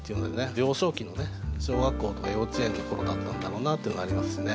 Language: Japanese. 幼少期のね小学校とか幼稚園の頃だったんだろうなっていうのがありますよね。